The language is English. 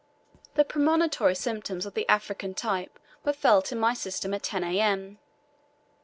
The premonitory symptoms of the African type were felt in my system at 10 A.M.